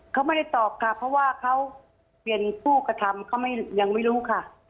เขาไม่ได้ตอบค่ะเพราะว่าเขาเป็นผู้กระทำเขายังไม่รู้ค่ะ